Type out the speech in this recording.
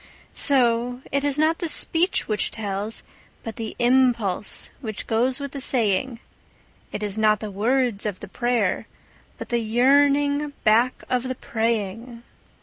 So it is not the speech which tells, but the impulse which goes with the saying; And it is not the words of the prayer, but the yearning back of the praying.